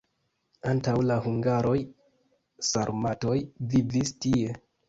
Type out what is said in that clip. Antaŭ la hungaroj sarmatoj vivis tie.